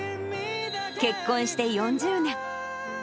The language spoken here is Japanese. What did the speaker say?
結婚して４０年。